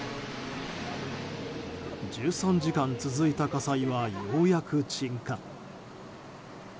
１３時間続いた火災はようやく鎮火。